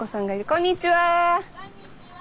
こんにちは。